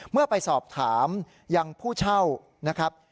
เมื่อไปสอบถามยังผู้เช่านะครับ